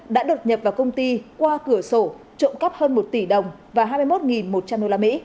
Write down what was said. đã đột nhập vào công ty qua cửa sổ trộm cắp hơn một tỷ đồng và hai mươi một một trăm linh usd